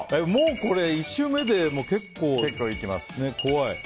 これ、１周目で結構怖い。